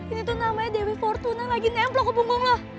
ini tuh namanya dewi fortuna lagi nempel ke punggung loh